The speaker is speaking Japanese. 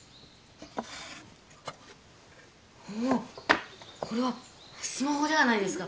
おおっこれはスマホではないですか！